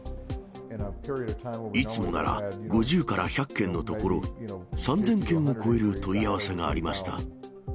いつもなら５０から１００件のところ、３０００件を超える問い合わせがありました。